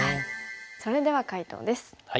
それでは解答です。